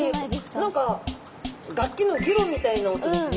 何か楽器のギロみたいな音ですね。